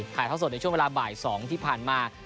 เท่าสดในช่วงเวลาบ่าย๒ที่ผ่านมา